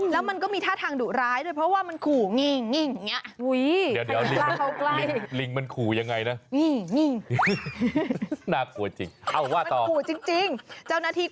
แล้วมันก็มีท่าทางดุร้ายด้วยเพราะว่ามันขู่งิ่งอย่างนี้